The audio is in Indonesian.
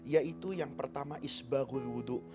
yaitu yang pertama isba gul wudu